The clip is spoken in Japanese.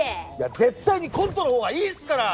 絶対にコントの方がいいですから！